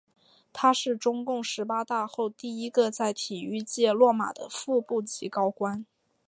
他是中共十八大后第一个在体育界落马的副部级高官。